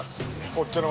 こっちの。